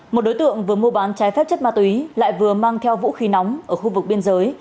một đối tượng vừa mua bán trái phép chất ma túy lại vừa mang theo vũ khí nóng ở khu vực biên giới